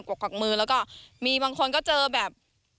กวักมีบางคนก็เจอแบบ